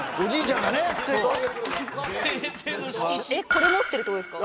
これ持ってるってことですか？